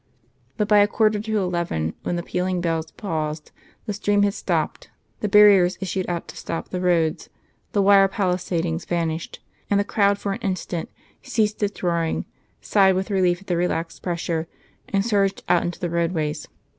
But by a quarter to eleven, when the pealing bells paused, the stream had stopped, the barriers issued out to stop the roads, the wire palisadings vanished, and the crowd for an instant, ceasing its roaring, sighed with relief at the relaxed pressure, and surged out into the roadways.